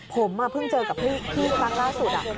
ผมเพิ่งเจอกับพี่ครั้งล่าสุด